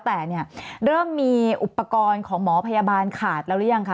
แต่เรื่องมีอุปกรณ์ของหมอพยาบาลขาดแล้วหรือยัง